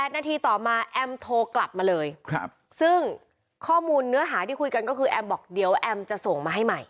นาทีต่อมาแอมโทรกลับมาเลยซึ่งข้อมูลเนื้อหาที่คุยกันก็คือแอมบอกเดี๋ยวแอมจะส่งมาให้ใหม่